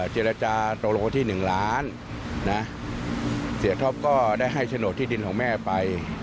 เจรจาโตโลที่๑ล้านนะเสียท็อปก็ได้ให้โฉนดที่ดินของแม่ไป